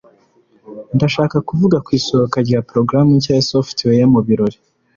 ndashaka kuvuga ku isohoka rya porogaramu nshya ya software mu birori